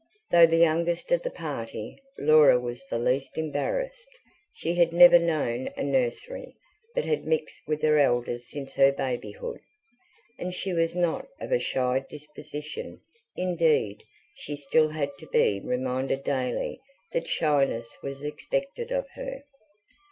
Though the youngest of the party, Laura was the least embarrassed: she had never known a nursery, but had mixed with her elders since her babyhood. And she was not of a shy disposition; indeed, she still had to be reminded daily that shyness was expected of her.